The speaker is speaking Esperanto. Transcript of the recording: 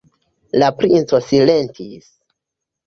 La princo silentis.